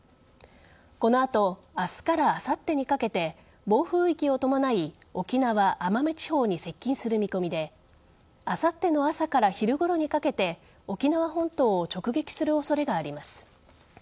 この後明日からあさってにかけて暴風域を伴い沖縄・奄美地方に接近する見込みであさっての朝から昼ごろにかけて沖縄本島を直撃する恐れがあります。